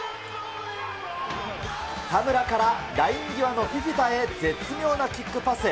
田村からライン際のフィフィタへ絶妙なキックパス。